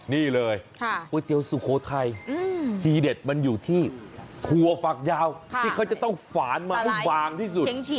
นี่เลยก๋วยเตี๋ยวสุโขทัยทีเด็ดมันอยู่ที่ถั่วฝักยาวที่เขาจะต้องฝานมาให้บางที่สุด